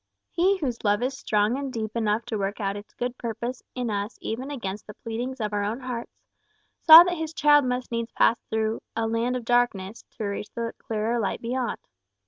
He whose love is strong and deep enough to work out its good purpose in us even against the pleadings of our own hearts, saw that his child must needs pass through "a land of darkness" to reach the clearer light beyond.